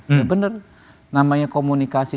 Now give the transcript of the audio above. itu benar namanya komunikasi